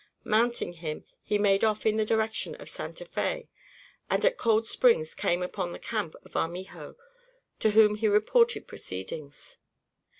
Mounting him, he made off in the direction of Santa Fé; and, at Cold Springs came upon the camp of Armijo, to whom he reported proceedings.